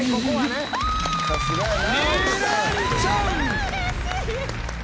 あうれしい！